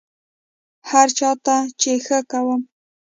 هر چا ته چې ښه کوم،